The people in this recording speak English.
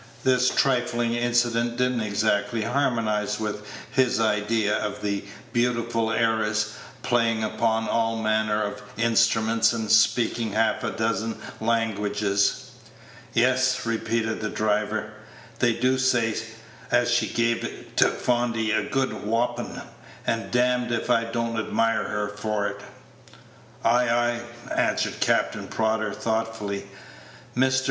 This trifling incident did n't exactly harmonize with his idea of the beautiful heiress, playing upon all manner of instruments, and speaking half a dozen languages. "Yes," repeated the driver, "they do say as she gave t' fondy a good whopping; and damme if I don't admire her for it." "Ay, ay," answered Captain Prodder, thoughtfully. "Mr.